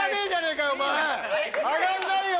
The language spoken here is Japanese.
上がんないよ！